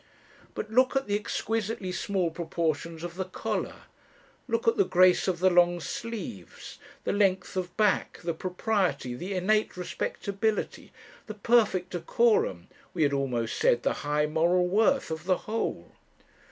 But look at the exquisitely small proportions of the collar; look at the grace of the long sleeves, the length of back, the propriety, the innate respectability, the perfect decorum we had almost said the high moral worth of the whole.